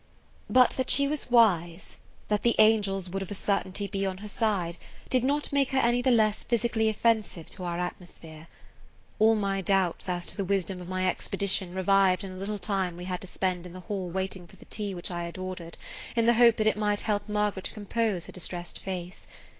But that she was wise, that the angels would of a certainty be on her side, did not make her any the less physically offensive to our atmosphere. All my doubts [Page 111] as to the wisdom of my expedition revived in the little time we had to spend in the hall waiting for the tea which I had ordered in the hope that it might help Margaret to compose her distressed face.